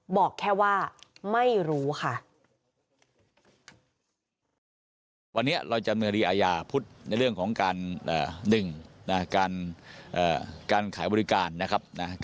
บอกแค่ว่าไม่รู้ค่ะ